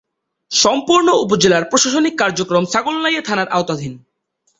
সম্পূর্ণ উপজেলার প্রশাসনিক কার্যক্রম ছাগলনাইয়া থানার আওতাধীন।